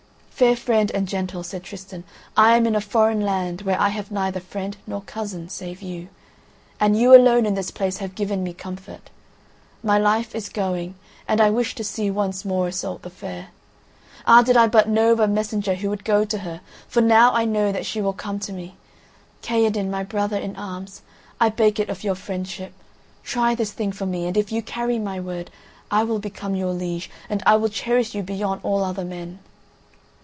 "Fair friend and gentle," said Tristan, "I am in a foreign land where I have neither friend nor cousin, save you; and you alone in this place have given me comfort. My life is going, and I wish to see once more Iseult the Fair. Ah, did I but know of a messenger who would go to her! For now I know that she will come to me. Kaherdin, my brother in arms, I beg it of your friendship; try this thing for me, and if you carry my word, I will become your liege, and I will cherish you beyond all other men."